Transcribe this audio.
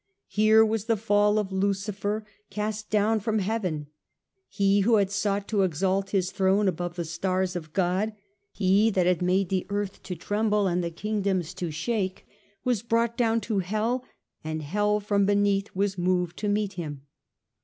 Here was the fall of Lucifer, cast down from heaven. He who had sought to exalt his throne above the stars of God, he that had made the earth to tremble and the Kingdoms to shake, was brought down to hell and hell from beneath was moved to meet him.